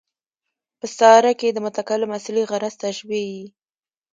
په استعاره کښي د متکلم اصلي غرض تشبېه يي.